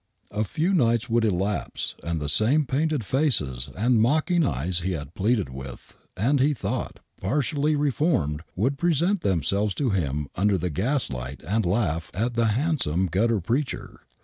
A few nights would elapse, and the same painted faces and mocking eyes he had pleaded with and, he thought, partially re formed would present themselves to him under the gaslight and laugh at " the handsome gutter preacher."